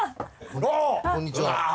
こんにちは。